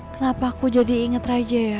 kenapa aku jadi inget raja ya